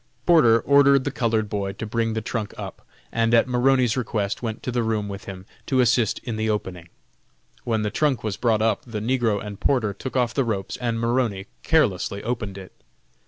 Porter ordered the colored boy to bring the trunk up, and at Maroney's request went to the room with him to assist in the opening. When the trunk was brought up the negro and Porter took off the ropes and Maroney carelessly opened it.